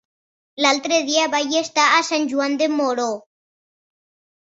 L'altre dia vaig estar a Sant Joan de Moró.